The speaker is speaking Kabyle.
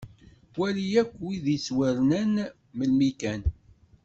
Wali akk wid yettwarnan melmi kan.